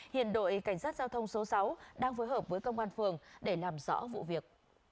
hiện đội cảnh sát giao thông số sáu đang phối hợp với công an phường để làm rõ vụ việc